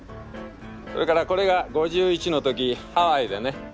それからこれが５１の時ハワイでね。